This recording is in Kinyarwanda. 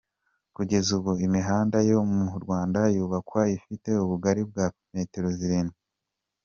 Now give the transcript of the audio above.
Kugeza ubu imihanda yo mu Rwanda yubakwa ifite ubugari bwa metero zirindwi.